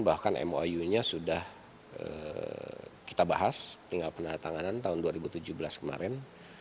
bahkan mou nya sudah kita bahas tinggal penandatanganan tahun dua ribu tujuh belas kemarin